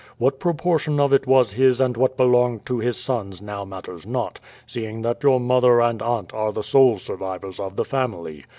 What proportion of it was his and what belonged to his sons now matters not, seeing that your mother and aunt are the sole survivors of the family.